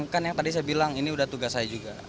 kan yang tadi saya bilang ini udah tugas saya juga